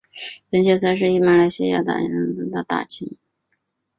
本届赛事于在马来西亚吉打亚罗士打举行。